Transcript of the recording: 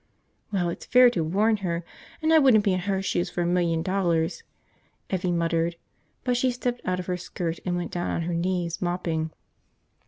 "Well, it's fair to warn her, and I wouldn't be in her shoes for a million dollars," Evvie muttered, but she stepped out of her skirt and went down on her knees, mopping.